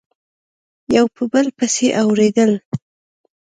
یو په بل پسي اوریدل